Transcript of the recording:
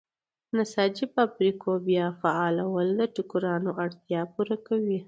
د نساجۍ فابریکو بیا فعالول د ټوکرانو اړتیا پوره کوي.